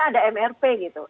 ada mrp gitu